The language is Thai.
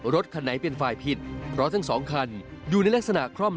รถคันไหนเป็นฝ่ายผิดเพราะทั้งสองคันอยู่ในลักษณะคล่อม